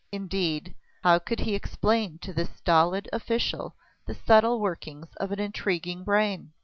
Indeed, how could he explain to this stolid official the subtle workings of an intriguing brain?